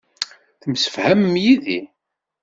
Temsefhamem yid-i.